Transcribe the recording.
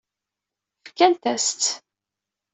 Fkant-as-tt.